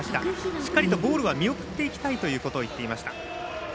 しっかりとボールは見送っていきたいということをいっていました。